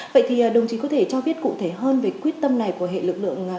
vậy thì đồng chí có thể cho biết cụ thể hơn về quyết tâm này của hệ lực lượng